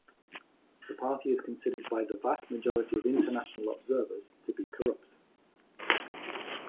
The party is considered by the vast majority of international observers to be corrupt.